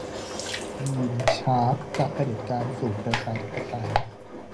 ยีน ชาร์ป - จากเผด็จการสู่ประชาธิปไตย